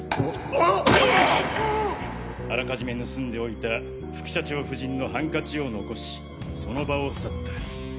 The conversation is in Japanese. あうっあらかじめ盗んでおいた副社長夫人のハンカチを残しその場を去った。